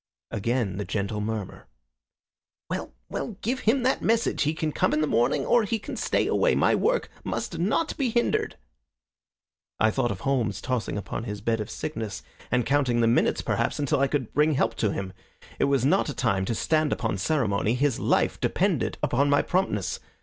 Again the gentle murmur. "Well, well, give him that message. He can come in the morning, or he can stay away. My work must not be hindered." I thought of Holmes tossing upon his bed of sickness and counting the minutes, perhaps, until I could bring help to him. It was not a time to stand upon ceremony. His life depended upon my promptness.